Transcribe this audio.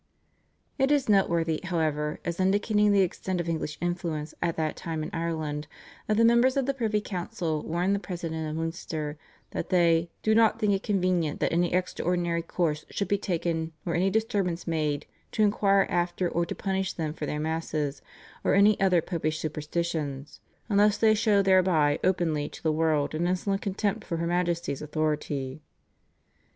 It is noteworthy, however, as indicating the extent of English influence at that time in Ireland, that the members of the privy council warned the President of Munster that they "do not think it convenient that any extraordinary course should be taken or any disturbance made to inquire after or to punish them for their Masses or any other popish superstitions, unless they show thereby openly to the world an insolent contempt for her Majesty's authority."